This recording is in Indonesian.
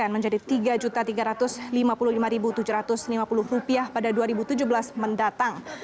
menjadi rp tiga tiga ratus lima puluh lima tujuh ratus lima puluh pada dua ribu tujuh belas mendatang